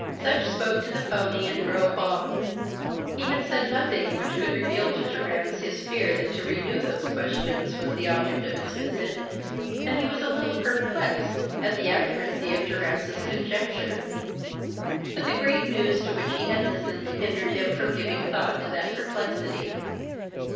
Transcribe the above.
Sutch spoke to the pony and drove on. He had said nothing which could reveal to Durrance his fear that to renew those questions was the object of his visit; and he was a little perplexed at the accuracy of Durrance's conjecture. But the great news to which he had listened hindered him from giving thought to that perplexity.